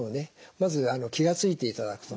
まず気が付いていただくと。